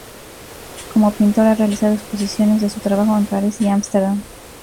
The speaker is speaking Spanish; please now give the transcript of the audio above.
Como pintor, ha realizado exposiciones de su trabajo en París y Ámsterdam.